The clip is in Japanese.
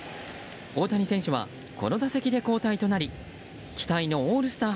大谷選手はこの打席で交代となり期待のオールスター